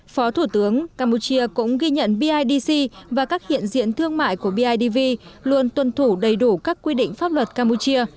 phó thủ tướng campuchia cũng ghi nhận bidc và các hiện diện thương mại của bidv luôn tuân thủ đầy đủ các quy định pháp luật campuchia